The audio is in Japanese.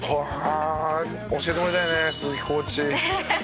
教えてもらいたいね鈴木コーチ。